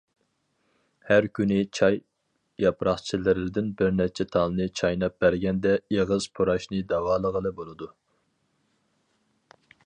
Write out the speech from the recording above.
ھەر كۈنى چاي ياپراقچىلىرىدىن بىر نەچچە تالنى چايناپ بەرگەندە ئېغىز پۇراشنى داۋالىغىلى بولىدۇ.